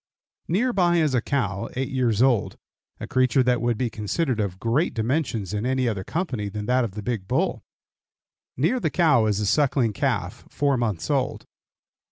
Near by is a cow eight years old, a creature that would be considered of great dimensions in any other company than that of the big bull. Near the cow is a suckling calf, four months old.